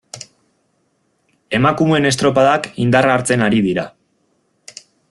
Emakumeen estropadak indarra hartzen ari dira.